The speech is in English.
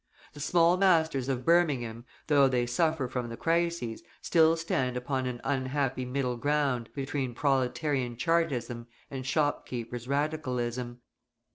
The small masters of Birmingham, though they suffer from the crises, still stand upon an unhappy middle ground between proletarian Chartism and shopkeepers' Radicalism.